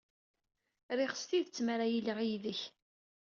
Riɣ s tidet mi ara iliɣ yid-k.